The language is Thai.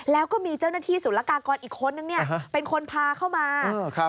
แล้วก็มีเจ้าหน้าที่สุรกากรอีกคนนึงเป็นคนพาเข้ามา